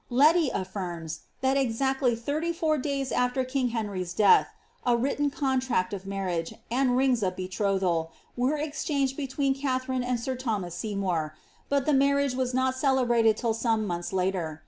Leti aflirms, that exactly thirty four days after king Henni''s death, a written contract of marria^, and rin^ of betrothal were exchanged between Katliarine and sir Thomas Sev mour, but the marriage was not celebrated till some months later.